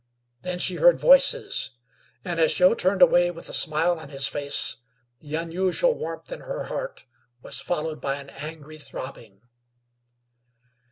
Then she heard voices, and as Joe turned away with a smile on his face, the unusual warmth in her heart was followed by an angry throbbing.